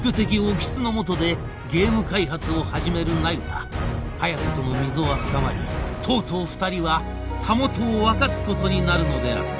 興津のもとでゲーム開発を始める那由他隼人との溝は深まりとうとう二人は袂を分かつことになるのであった・